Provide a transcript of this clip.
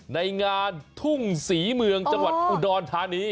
ในงานทุ่งศรีเมืองจังหวัดอุดรธานี